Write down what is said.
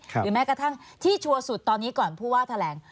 หรือแม้กระทั่งที่ชัวร์สุดตอนนี้ก่อนผู้ว่าแถลง